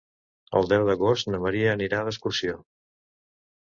El deu d'agost en Maria anirà d'excursió.